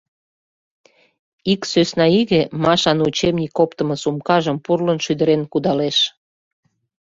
Ик сӧсна иге Машан учебник оптымо сумкажым пурлын шӱдырен кудалеш.